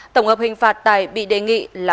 tổng hợp hình phạt tài bị đề nghị là